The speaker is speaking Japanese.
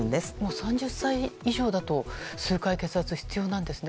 ３０歳以上だと数回、血圧測定が必要なんですね。